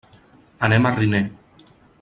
Anem a Riner.